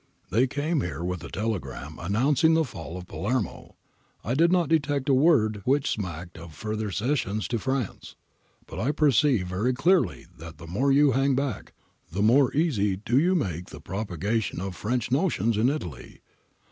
They came here with a telegram announcing the fall of Palermo. I did not detect a word which smacked of further concessions to France. But I perceive very clearly that the more you hang back, the more easy do you make the propagation of French notions in Italy.